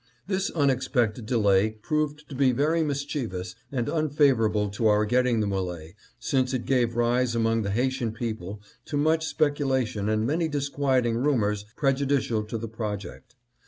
This unexpected delay proved to be very mischievous and unfavorable to our getting the Mole, since it gave rise among the Haitian people to much speculation and many dis quieting rumors prejudicial to the project.